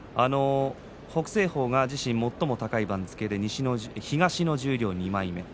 北青鵬が自身最も高い番付で東の十両２枚目です。